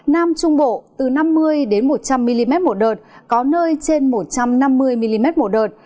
nam trung bộ từ năm mươi một trăm linh mm một đợt có nơi trên một trăm năm mươi mm một đợt